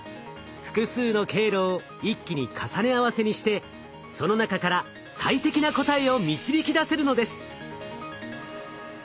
複数の経路を一気に重ね合わせにしてその中から最適な答えを導き出せるのです。